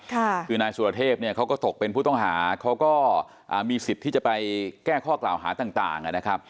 คือนายสุรเทพเนี่ยเขาก็ตกเป็นผู้ต้องหาเขาก็อ่ามีสิทธิ์ที่จะไปแก้ข้อกล่าวหาต่างนะครับ